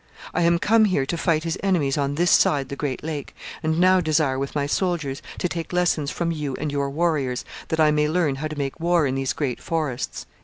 I am come here to fight his enemies on this side the great lake, and now desire with my soldiers to take lessons from you and your warriors, that I may learn how to make war in these great forests.'